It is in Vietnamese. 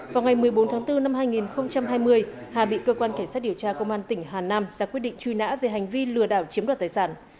vào ngày một mươi bốn tháng bốn năm hai nghìn hai mươi hà bị cơ quan cảnh sát điều tra công an tỉnh hà nam ra quyết định truy nã về hành vi lừa đảo chiếm đoạt tài sản